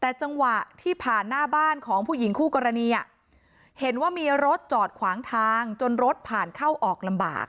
แต่จังหวะที่ผ่านหน้าบ้านของผู้หญิงคู่กรณีเห็นว่ามีรถจอดขวางทางจนรถผ่านเข้าออกลำบาก